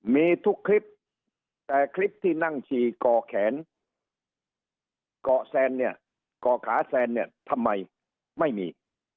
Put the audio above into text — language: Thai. มีทุกคลิปแต่คลิปที่ขนกล่อแขนกล่อแซ่นกล่อขาแซ่นทำไมไม่มี